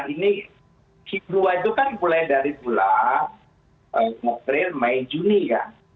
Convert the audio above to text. ini si dua itu kan mulai dari bulan april mei juni kan